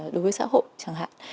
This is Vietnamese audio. đối với xã hội chẳng hạn